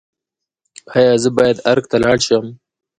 ایا زه باید ارګ ته لاړ شم؟